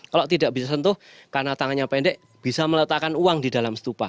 kalau tidak bisa sentuh karena tangannya pendek bisa meletakkan uang di dalam stupa